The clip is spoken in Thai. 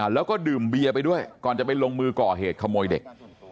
แล้วก็ดื่มเบียร์ไปด้วยก่อนจะไปลงมือก่อเหตุขโมยเด็ก